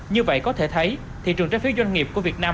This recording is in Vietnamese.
như vậy có thể thấy thị trường trái phiếu doanh nghiệp của việt nam